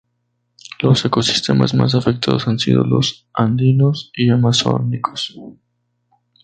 Los ecosistemas más afectados han sido los Andinos y Amazónicos.